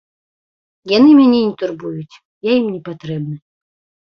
Яны мяне не турбуюць, я ім не патрэбны.